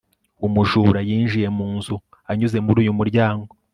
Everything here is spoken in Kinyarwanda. umujura yinjiye mu nzu anyuze muri uyu muryango